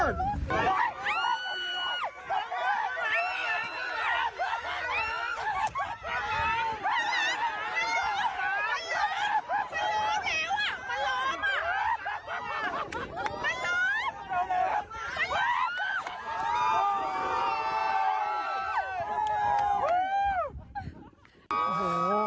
มันร้ม